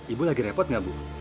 ibu lagi repot gak bu